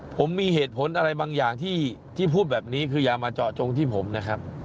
ผมมีเหตุผลอะไรบางอย่างที่พูดแบบนี้คืออย่ามาเจาะจงที่ผมนะครับ